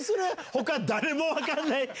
他誰も分かんない。